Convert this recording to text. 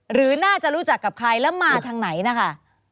หรือน่าจะรู้จักกับใครแล้วมาทางไหนนะคะ